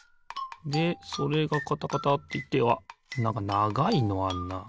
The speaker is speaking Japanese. でそれがカタカタっていってあっなんかながいのあんな。